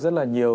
rất là nhiều